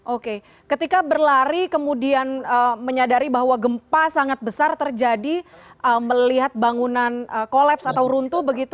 oke ketika berlari kemudian menyadari bahwa gempa sangat besar terjadi melihat bangunan kolaps atau runtuh begitu